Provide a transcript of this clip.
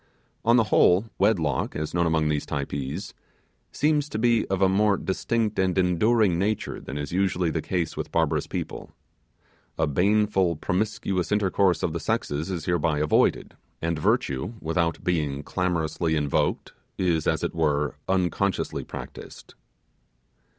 On the whole, wedlock, as known among these Typees, seems to be of a more distinct and enduring nature than is usually the case with barbarous people. A baneful promiscuous intercourse of the sexes is hereby avoided, and virtue, without being clamorously invoked, is, as it were, unconsciously practised.